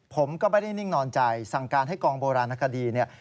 ผมก็ไม่ได้นิ่งนอนใจสั่งการให้กองโบราณคดีเนี่ย